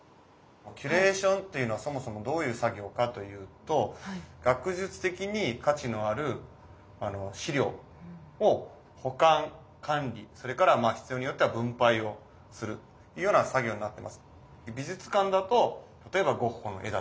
キュレーションというのはそもそもどういう作業かというと学術的に価値のある資料を保管管理それから必要によっては分配をするというような作業になってます。